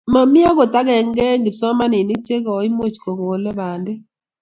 Mami agot agenge rng' kipsomanik che koimuch ko kole pandek